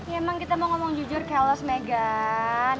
ya emang kita mau ngomong jujur kelas megan